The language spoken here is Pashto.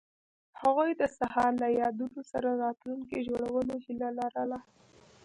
هغوی د سهار له یادونو سره راتلونکی جوړولو هیله لرله.